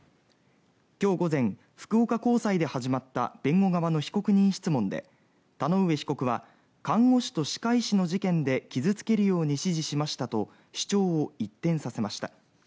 今日午前、福岡高裁で始まった弁護側の被告人質問で田上被告は看護師と歯科医師の事件で傷付けるように指示しましたと主張を一転させました。